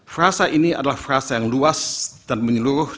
frasa ini adalah frasa yang luas dan menyeluruh